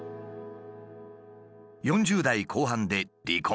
４０代後半で離婚。